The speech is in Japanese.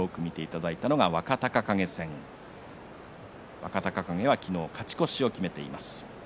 若隆景は昨日勝ち越しを決めています。